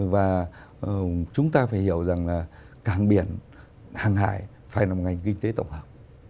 và chúng ta phải hiểu rằng là cảng biển hàng hải phải là một ngành kinh tế tổng hợp